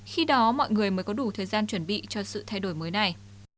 khi đó mọi người mới có đủ thời gian chuẩn bị cho sự thay đổi mới này